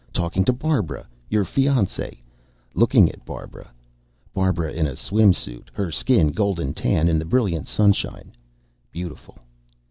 Talking to Barbara, your fiancée. Looking at Barbara Barbara in a swim suit her skin golden tan in the brilliant sunshine, beautiful.